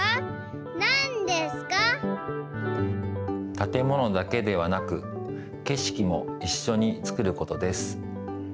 たてものだけではなくけしきもいっしょにつくることです。